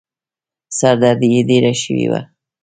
سر دردي يې ډېره شوې وه.